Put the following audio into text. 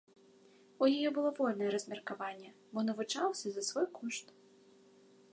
У яе было вольнае размеркаванне, бо навучалася за свой кошт.